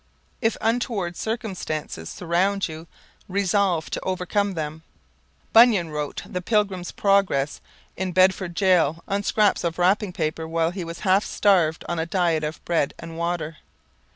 If untoward circumstances surround you, resolve to overcome them. Bunyan wrote the "Pilgrim's Progress" in Bedford jail on scraps of wrapping paper while he was half starved on a diet of bread and water.